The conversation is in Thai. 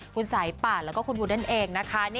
คุณสายป่าและคุณหวูดนเองนะคะ